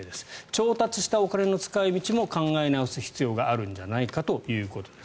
調達したお金の使い道も考え直す必要があるんじゃないかということです。